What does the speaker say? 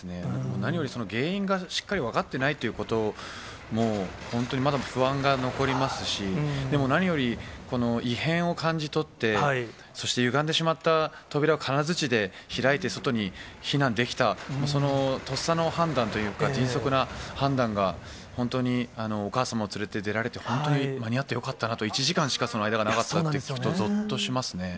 何よりその原因がしっかり分かっていないということも、本当にまだ不安が残りますし、でも何より、異変を感じ取って、そしてゆがんでしまった扉を金づちで開いて外に避難できた、そのとっさの判断というか、迅速な判断が、本当に、お母様を連れて出られて、本当に間に合ってよかったなと、１時間しかその間がなかったって聞くと、ぞっとしますね。